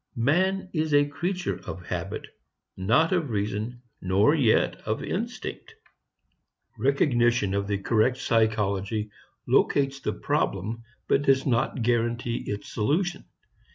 Man is a creature of habit, not of reason nor yet of instinct. Recognition of the correct psychology locates the problem but does not guarantee its solution.